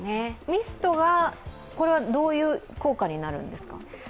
ミストがどういう効果になるんですか？